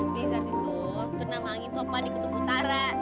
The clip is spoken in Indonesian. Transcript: blizzard itu bernama angin topan di kutub utara